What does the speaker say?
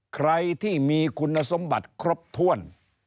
ใครที่มีคุณสมบัติครบถ้วน